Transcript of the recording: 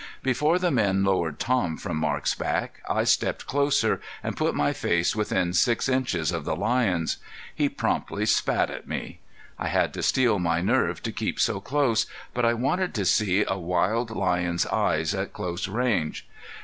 Before the men lowered Tom from Marc's back I stepped closer and put my face within six inches of the lion's. He promptly spat on me. I had to steel my nerve to keep so close. But I wanted to see a wild lion's eyes at close range.